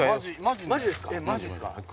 マジですか？